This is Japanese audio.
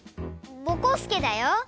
ぼこすけだよ。